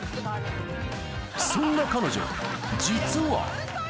そんな彼女、実は。